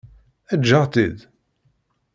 Eǧǧ-aɣ-tt-id.